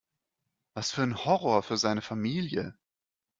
Was für ein Horror für seine Familie!